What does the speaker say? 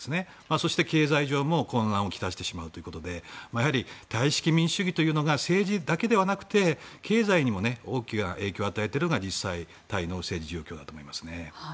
そして経済上も、困難をきたしてしまうということでやはりタイ式民主主義というのが政治だけではなくて経済にも大きな影響を与えているのがタイの政治状況だと思います。